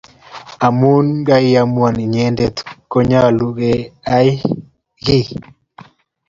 amun kaiamuan inyendet ko nyalun ke ai gii